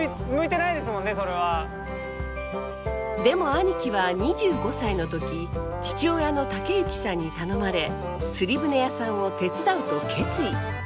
でも兄貴は２５歳の時父親の武幸さんに頼まれ釣り船屋さんを手伝うと決意。